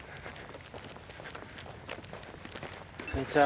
こんにちは。